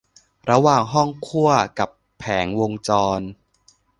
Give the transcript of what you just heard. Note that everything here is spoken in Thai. ระหว่างห้องคั่วกับแผงวงจร